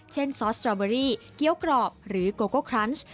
ซอสสตรอเบอรี่เกี้ยวกรอบหรือโกโก้ครัช